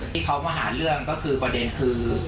ที่เขามาหาเรื่องก็คือประเด็นคือ